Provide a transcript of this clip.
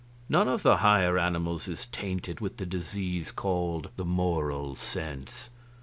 None of the higher animals is tainted with the disease called the Moral Sense.